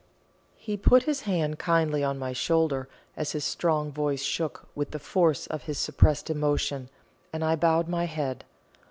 He put his hand kindly on my shoulder as his strong voice shook with the force of his suppressed emotion, and I bowed my head.